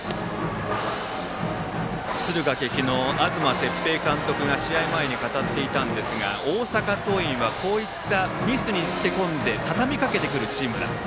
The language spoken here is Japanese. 敦賀気比の東哲平監督が試合前に語っていましたが大阪桐蔭はこういったミスにつけ込んでたたみかけてくるチームなんだ。